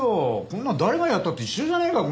こんなの誰がやったって一緒じゃねえか！